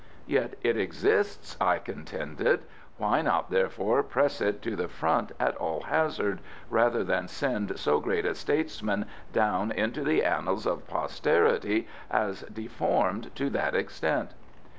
"Yet it exists," I contended; "why not, therefore, press it to the front at all hazard, rather than send so great a statesman down into the annals of posterity as deformed to that extent?"